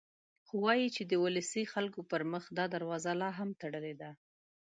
خو وايي چې د ولسي خلکو پر مخ دا دروازه لا هم تړلې ده.